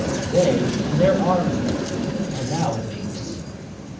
They and their arms, then, are now at peace.